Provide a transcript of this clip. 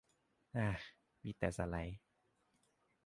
อา มีแต่สไลด์